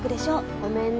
ごめんね。